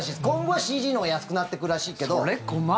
今後はＣＧのほうが安くなっていくらしいけど。